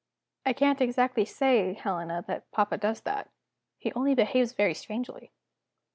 "I can't exactly say, Helena, that papa does that. He only behaves very strangely."